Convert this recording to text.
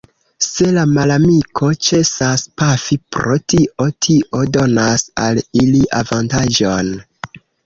Se la malamiko ĉesas pafi pro tio, tio donas al ili avantaĝon.